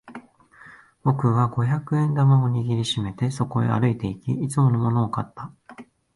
僕は五百円玉を握り締めてそこへ歩いていき、いつものものを買った。